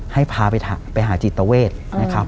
ให้พาไปหาจิตเวทนะครับ